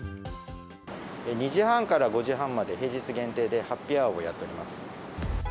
２時半から５時半まで、平日限定でハッピーアワーをやっております。